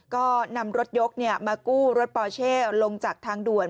ก็นำรถยกมากู้รถปอเช่ลงจากทางด่วน